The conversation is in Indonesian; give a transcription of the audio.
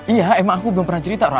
iya emang aku belum pernah cerita orang